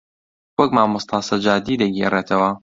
وەک مامۆستا سەجادی دەیگێڕێتەوە